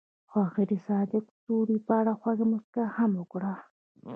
هغې د صادق ستوري په اړه خوږه موسکا هم وکړه.